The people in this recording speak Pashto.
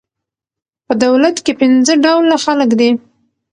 په دولت کښي پنځه ډوله خلک دي.